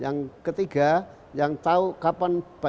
yang ketiga yang tau kapalnya itu berapa